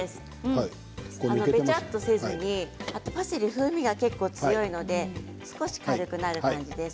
べちゃっとせずにパセリは風味が結構、強いので少し軽くなる感じです。